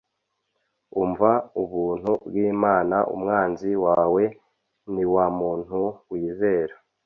umva ubuntu bwimana umwanzi wawe niwamuntu wizera